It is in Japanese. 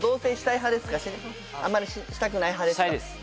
あんまりしたくない派ですか？